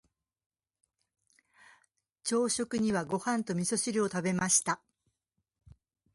朝食にはご飯と味噌汁を食べました。